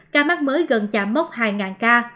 ca mắc mới gần chạm mốc hai ca